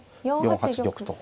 ４八玉と。